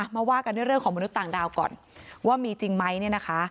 มาว่ากันด้วยเรื่องของมนุษย์ต่างดาวก่อนว่ามีจริงไหมเนี่ยนะคะ